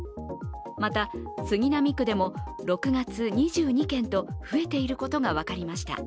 また、杉並区でも６月２２件と増えていることが分かりました。